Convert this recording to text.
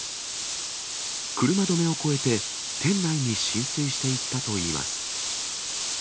車止めを越えて、店内に浸水していったといいます。